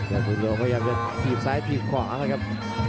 ยอดภูรวงศ์ก็ยังจะทีบซ้ายทีบขวาครับ